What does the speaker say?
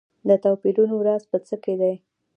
د توپیرونو راز په څه کې دی.